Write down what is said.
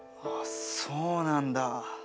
うわそうなんだ。